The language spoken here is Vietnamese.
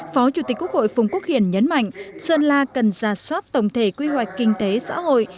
phó chủ tịch quốc hội phùng quốc hiển nhấn mạnh sơn la cần ra soát tổng thể quy hoạch kinh tế xã hội